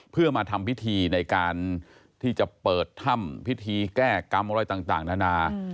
เพื่อมาทำพิธีในการที่จะเปิดถ้ำพิธีแก้กรรมอะไรต่างนานา